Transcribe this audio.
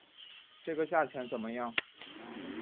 这个价钱怎么样？